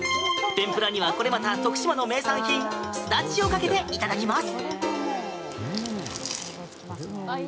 天ぷらにはこれまた徳島の名産品スダチをかけていただきます。